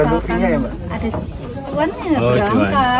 asalkan ada cuannya berangkat